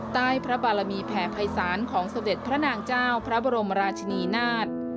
ใต้พระบารมีแผ่ภัยศาลของสมเด็จพระนางเจ้าพระบรมราชินีนาฏ